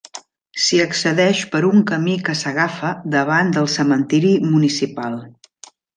S'hi accedeix per un camí que s'agafa davant del cementiri municipal.